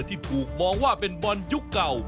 ที่ถูกมองว่าเป็นบอลยุคเก่า